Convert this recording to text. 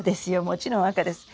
もちろん赤です。